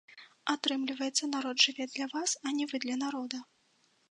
Атрымліваецца, народ жыве для вас, а не вы для народа?